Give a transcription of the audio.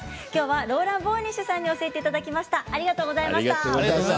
ローラン・ボーニッシュさんに教えていただきました。